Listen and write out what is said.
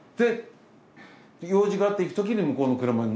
用事があって行くときに向こうの車に。